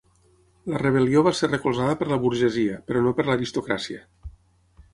La rebel·lió va ser recolzada per la burgesia, però no per l'aristocràcia.